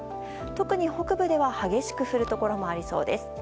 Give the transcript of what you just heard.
特に北部では激しく降るところもありそうです。